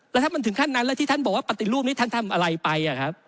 แล้วถ้ามันถึงขั้นนั้นแล้วที่ท่านบอกว่าปฏิรูปนี้ท่านทำอะไรไป